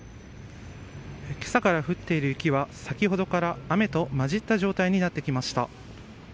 今朝から降っている雪は先ほどから、雨とまじった状態になってきました。